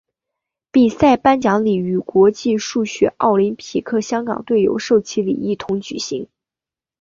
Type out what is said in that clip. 比赛颁奖礼与国际数学奥林匹克香港队授旗礼一同举行。